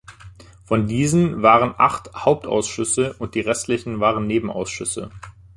Von diesen waren acht Hauptausschüsse und die restlichen waren Nebenausschüsse.